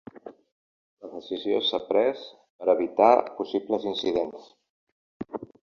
La decisió s’ha pres per evitar possibles incidents.